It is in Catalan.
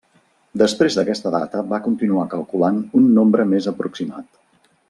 Després d'aquesta data va continuar calculant un nombre més aproximat.